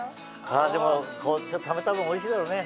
でもためた分おいしいだろうね。